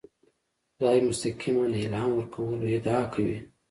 خدای مستقیماً الهام ورکولو ادعا کوي.